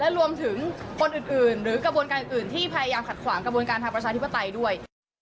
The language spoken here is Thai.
รวมถึงคนอื่นหรือกระบวนการอื่นที่พยายามขัดขวางกระบวนการทางประชาธิปไตยด้วย